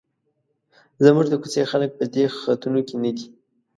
زموږ د کوڅې خلک په دې خطونو کې نه دي.